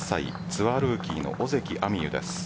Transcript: ツアールーキーの尾関彩美悠です。